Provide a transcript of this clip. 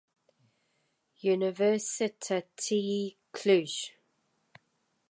Universitatea Cluj